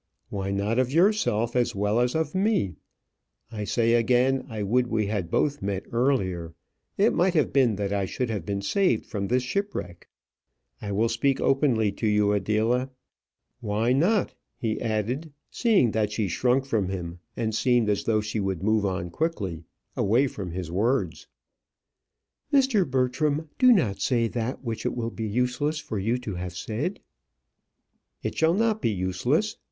"Why not of yourself as well as of me? I say again, I would we had both met earlier. It might have been that I should have been saved from this shipwreck. I will speak openly to you, Adela. Why not?" he added, seeing that she shrunk from him, and seemed as though she would move on quickly away from his words. "Mr. Bertram, do not say that which it will be useless for you to have said." "It shall not be useless.